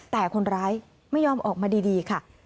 แต่คนร้ายไม่ยอมออกมาดีค่ะ